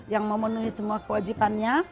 yang memenuhi semua kewajipannya